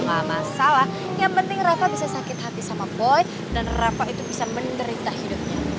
gak masalah yang penting rafa bisa sakit hati sama boy dan rafa itu bisa menderita hidupnya